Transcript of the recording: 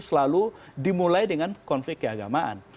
selalu dimulai dengan konflik keagamaan